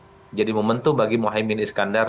saya kira ini akan jadi momentum bagi mohaimin iskandar